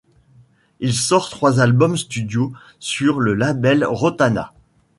Il sort trois albums studio sur le label Rotana.